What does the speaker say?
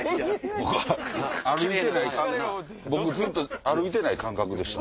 僕ずっと歩いてない感覚でした。